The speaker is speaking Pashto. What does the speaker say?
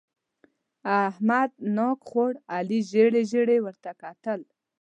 احمد ناک خوړ؛ علي ژېړې ژېړې ورته کتل.